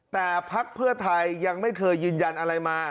แต่พักเพื่อไทยยังไม่เคยยืนยันอะไรมา